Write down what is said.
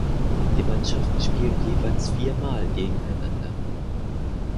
Die Mannschaften spielen jeweils viermal gegeneinander.